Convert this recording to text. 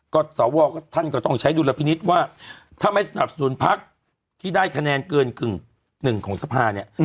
ก็สวท่านก็ต้องใช้ดุลพินิษฐ์ว่าถ้าไม่สนับสนุนพักที่ได้คะแนนเกินกึ่งหนึ่งของสภาเนี่ย